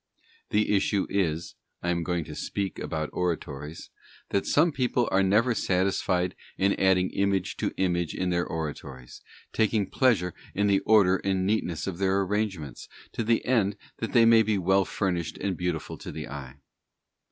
The issue is—I am going to speak about Oratories—that some people are never satisfied in adding image to image in ~ their oratories, taking pleasure in the order and neatness of their arrangements, to the end that they may be well fur nished and beautiful to the eye.